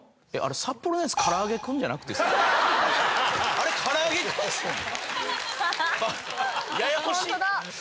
あれからあげクンすよね。